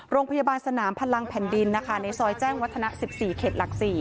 โรงพยาบาลสนามพลังแผ่นดินนะคะในซอยแจ้งวัฒนะ๑๔เขตหลัก๔